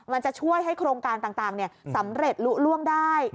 มันจะช่วยให้โครงการต่างสำเร็จลุล่วงได้